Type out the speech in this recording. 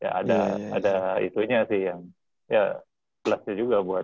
ya ada itunya sih yang ya plusnya juga buat